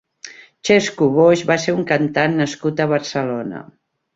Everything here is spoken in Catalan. Xesco Boix va ser un cantant nascut a Barcelona.